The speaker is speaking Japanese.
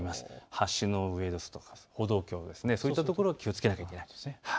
橋の上ですとか、歩道橋、そういったところ、気をつけないといけないです。